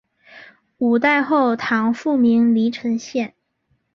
五代后唐复名黎城县。